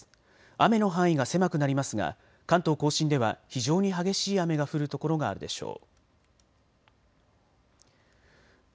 雨の範囲が狭くなりますが関東甲信では非常に激しい雨が降る所があるでしょう。